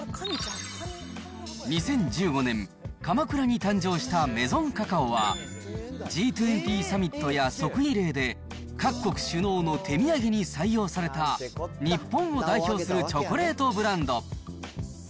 ２０１５年、鎌倉に誕生したメゾンカカオは、Ｇ２０サミットや即位礼で各国首脳の手土産に採用された、日本を代表するチョコレートブランド。